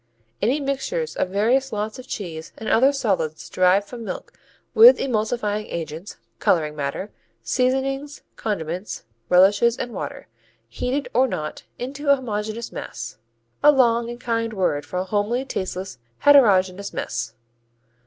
_ "Any mixtures of various lots of cheese and other solids derived from milk with emulsifying agents, coloring matter, seasonings, condiments, relishes and water, heated or not, into a homogeneous mass." (A long and kind word for a homely, tasteless, heterogeneous mess.)